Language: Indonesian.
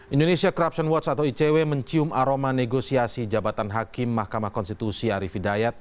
indonesia corruption watch atau icw mencium aroma negosiasi jabatan hakim mahkamah konstitusi arief hidayat